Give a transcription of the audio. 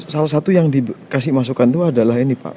salah satu yang dikasih masukan itu adalah ini pak